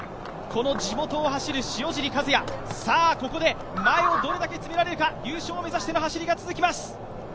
地元を走る塩尻和也、ここで前をどれだけ詰められるか優勝を目指しての走りが続きます。